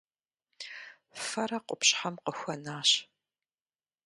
Фэрэ къупщхьэм къыхуэнащ.